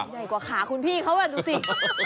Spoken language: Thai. ใหญ่กว่าขาคุณพี่เขาดูสิ